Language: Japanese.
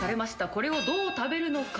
これをどう食べるのか。